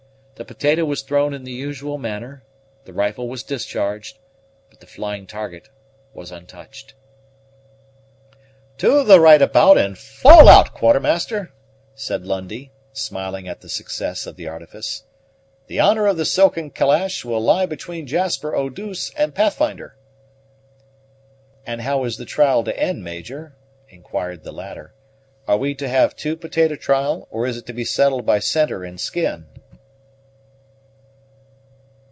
The potato was thrown in the usual manner, the rifle was discharged, but the flying target was untouched. "To the right about, and fall out, Quartermaster," said Lundie, smiling at the success of the artifice. "The honor of the silken calash will lie between Jasper Eau douce and Pathfinder." "And how is the trial to end, Major?" inquired the latter. "Are we to have the two potato trial, or is it to be settled by centre and skin?"